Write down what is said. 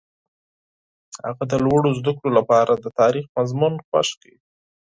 هغه د لوړو زده کړو لپاره د تاریخ مضمون خوښ کړ.